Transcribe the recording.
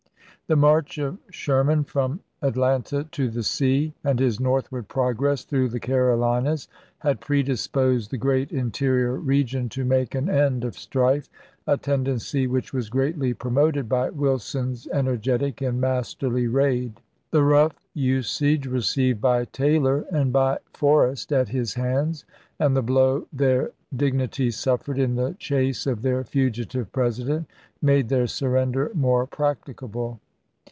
The march of Sherman from Atlanta to the sea and his northward progress through the Carolinas had predisposed the great interior region to make an end of strife, a tendency which was greatly pro moted by Wilson's energetic and masterly raid. The rough usage received by Taylor and by For rest at his hands, and the blow their dignity suffered in the chase of their fugitive President, made their surrender more practicable.